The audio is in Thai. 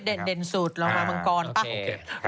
เมฆเด่นสุดลองมาบังกรป่ะ